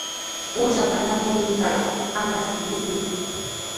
Uushapa ñatinnintaqa ankaskirmi mikunchik.